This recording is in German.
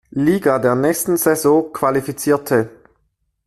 Liga der nächsten Saison qualifizierte.